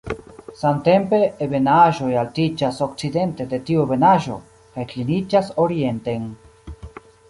Samtempe, ebenaĵoj altiĝas okcidente de tiu ebenaĵo, kaj kliniĝas orienten.